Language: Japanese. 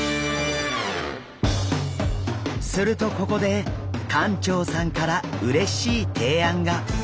するとここで館長さんからうれしい提案が。